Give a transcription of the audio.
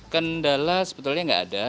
kendala sebetulnya tidak ada